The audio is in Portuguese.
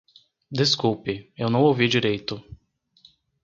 Desculpe - eu não ouvi direito.